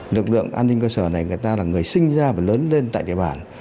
lực lượng an ninh cơ sở này người ta là người sinh ra và lớn lên tại địa bàn